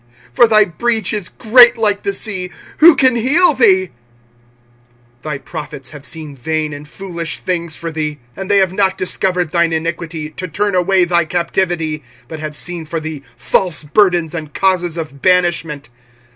for thy breach is great like the sea: who can heal thee? 25:002:014 Thy prophets have seen vain and foolish things for thee: and they have not discovered thine iniquity, to turn away thy captivity; but have seen for thee false burdens and causes of banishment.